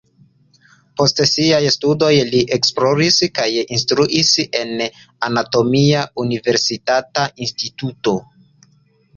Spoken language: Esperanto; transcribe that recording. Post siaj studoj li esploris kaj instruis en anatomia universitata instituto.